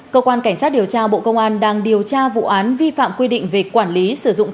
cơ quan cảnh sát điều tra bộ công an đang điều tra vụ án vi phạm quy định về quản lý sử dụng